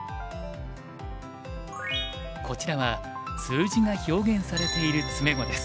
こちらは数字が表現されている詰碁です。